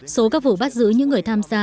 số các vụ bắt giữ những người tham gia